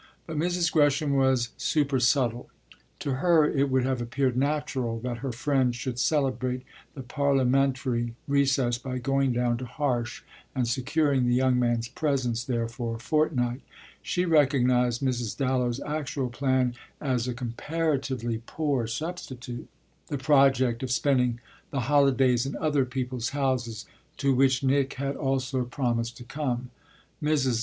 But Mrs. Gresham was supersubtle. To her it would have appeared natural that her friend should celebrate the parliamentary recess by going down to Harsh and securing the young man's presence there for a fortnight; she recognised Mrs. Dallow's actual plan as a comparatively poor substitute the project of spending the holidays in other people's houses, to which Nick had also promised to come. Mrs.